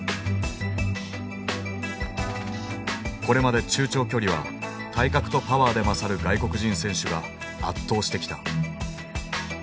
これまで中長距離は体格とパワーで勝る外国人選手が圧倒してきた。